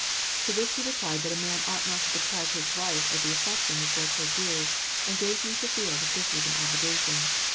To this he replied that a man ought not to deprive his wife of the affection which was her due, and gave me to feel that this was an obligation.